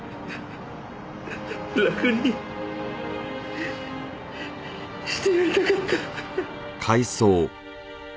楽にしてやりたかった。